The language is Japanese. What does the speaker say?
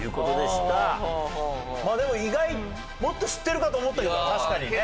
でも意外もっと知ってるかと思ったけど確かにね。